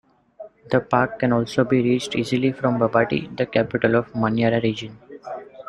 The park can also be reached easily from Babati the capital of Manyara Region.